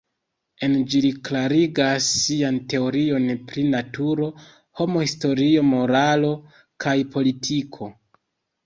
En ĝi li klarigas sian teorion pri naturo, homo, historio, moralo kaj politiko.